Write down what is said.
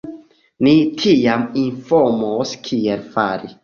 Ni tiam informos kiel fari.